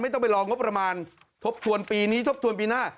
ต้องไปรองบประมาณทบทวนปีนี้ทบทวนปีหน้า